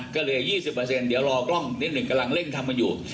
ก็เหลือยี่สิบเปอร์เซ็นต์เดี๋ยวรอกล้องนิดหนึ่งกำลังเล่นทำมาอยู่